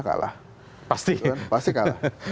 kalah pasti pasti kalah